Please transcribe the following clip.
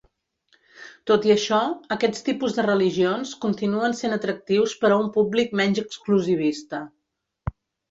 Tot i això, aquests tipus de religions continuen sent atractius per a un públic menys exclusivista.